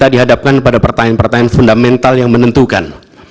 dan dihadapkan pada pertanyaan pertanyaan fundamental yang menentukan